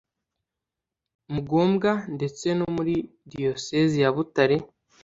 Mugombwa ndetse no muri Diyosezi ya Butare